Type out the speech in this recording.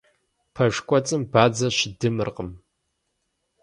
Пэш кӀуэцӀым бадзэ щыдымыркъым.